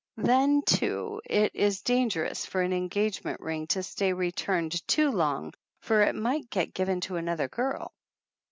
Then, too, it is dangerous for an engagement ring to stay returned too long for it might get given to another girl.